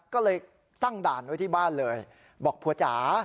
ก็เลยตั้งด่านไว้ที่บ้านเลยบอกผัวจ๋า